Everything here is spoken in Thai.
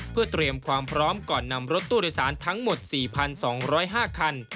เพื่อเตรียมความพร้อมก่อนนำรถตู้โดยสารทั้งหมด๔๒๐๕คัน